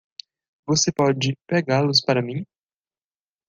Você pode pegá-los para mim!